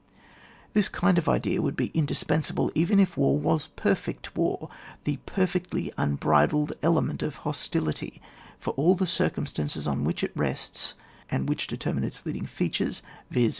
This kind of idea would be indis pensable even if war was perfect war, the perfectly unbridled element of hos tility, for all the circumstances on which it rests, and which determine its leading features, viz.